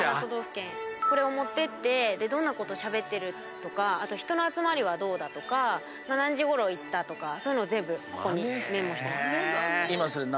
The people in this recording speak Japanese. これを持っていってどんなことしゃべってるとか人の集まりはどうだとか何時ごろ行ったとかそういうのを全部メモしてます。